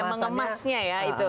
mengemasnya ya itu